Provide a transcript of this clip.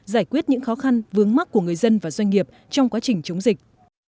giải quyết những khó khăn vướng mắt của người dân và doanh nghiệp trong quá trình chống dịch